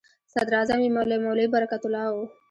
صدراعظم یې مولوي برکت الله و.